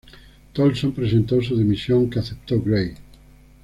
Tolson presentó su dimisión, que aceptó Gray.